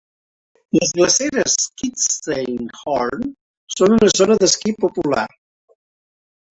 Les glaceres Kitzsteinhorn són una zona d'esquí popular.